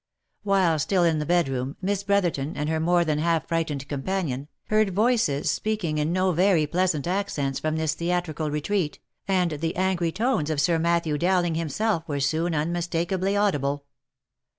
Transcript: While still in the bedroom, Miss Brotherton, and her more than half frightened companion, heard voices speaking in no very pleasant accents from this theatrical retreat, and the angry tones of Sir Matthew Dowling himself were soon unmistakably audible.